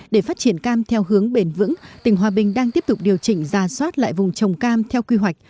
để phát triển cam theo hướng bền vững tỉnh hòa bình đang tiếp tục điều chỉnh ra soát lại vùng trồng cam theo quy hoạch